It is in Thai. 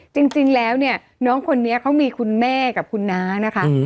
จริงแล้วเนี่ยน้องคนนี้เขามีคุณแม่กับคุณน้านะคะ